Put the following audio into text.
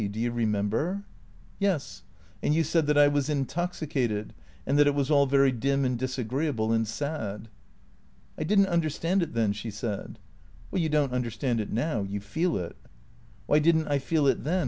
Do you remember ?"" Yes, and you said that I was intoxicated and that it was all very dim and disagreeable and sad." " I did n't understand it then," she said. " You don't understand it now. You feel it." " Why did n't I feel it then